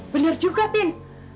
bener juga pin